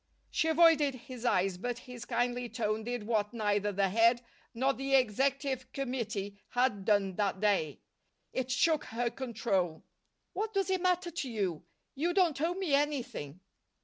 She avoided his eyes, but his kindly tone did what neither the Head nor the Executive Committee had done that day. It shook her control. "What does it matter to you? You don't owe me anything."